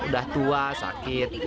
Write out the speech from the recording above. udah tua sakit